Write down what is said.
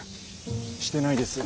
してないです。